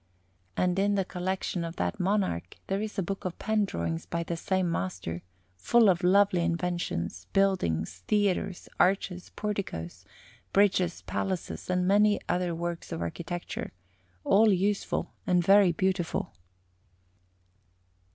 And in the collection of that monarch there is a book of pen drawings by the same master, full of lovely inventions, buildings, theatres, arches, porticoes, bridges, palaces, and many other works of architecture, all useful and very beautiful.